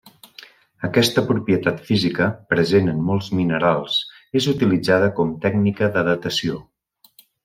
Aquesta propietat física, present en molts minerals, és utilitzada com tècnica de datació.